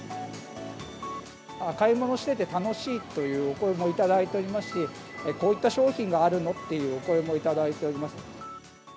買い物していて楽しいというお声も頂いておりますし、こういった商品があるの？っていうお声も頂いております。